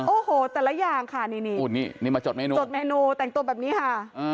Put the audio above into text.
โอ้โหแต่ละอย่างค่ะนี่จดเมนูแต่งตัวแบบนี้ค่ะ